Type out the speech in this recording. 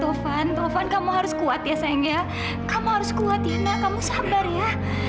tuhan tuhan kamu harus kuat ya sayangnya kamu harus kuat ya sayangnya kamu sabar ya